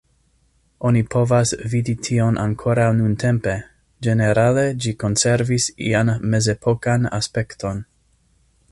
Oni povas vidi tion ankoraŭ nuntempe; ĝenerale ĝi konservis ian mezepokan aspekton.